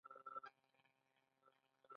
مصنوعي ځیرکتیا د دوامدارې زده کړې زمینه برابروي.